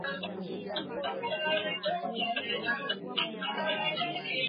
wakati wa redio france international michezo ama ukipenda rfi michezo